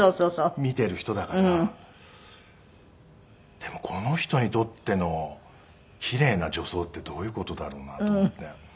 でもこの人にとっての奇麗な女装ってどういう事だろうなと思って。